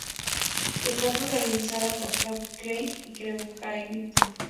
Está protagonizada por Harvey Keitel y Keith Carradine.